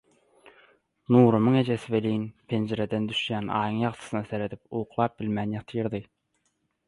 Nurumyň ejesi welin, penjireden düşýän Aýyň ýagtysyna seredip uklap bilmän ýatyrdy.